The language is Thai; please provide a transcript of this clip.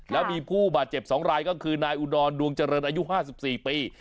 แล้วมีผู้บาดเจ็บ๒รายก็คือนายอุดรดวงเจริญอายุ๕๔ปี